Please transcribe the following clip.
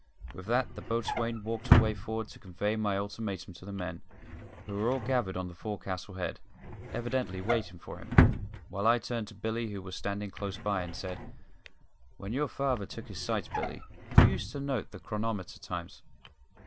With that the boatswain walked away forward to convey my ultimatum to the men, who were all gathered on the forecastle head, evidently waiting for him, while I turned to Billy, who was standing close by, and said: "When your father took his sights, Billy, who used to note the chronometer times?"